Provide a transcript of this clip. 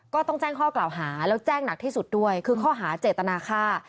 ก็ต้องแจ้งข้อกล่าวหาแล้วแจ้งหนักที่สุดด้วยคือข้อหาเจตนาค่า